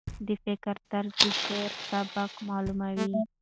د فکر طرز د شاعر سبک معلوموي.